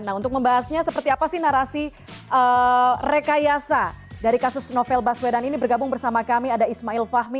nah untuk membahasnya seperti apa sih narasi rekayasa dari kasus novel baswedan ini bergabung bersama kami ada ismail fahmi